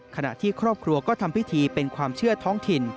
ขณะที่ครอบครัวก็ทำพิธีเป็นความเชื่อท้องถิ่น